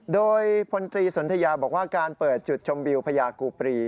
โดยพลตรีสนทยาบอกว่าการเปิดจุดชมวิวพญากูปรี